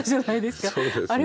そうですね。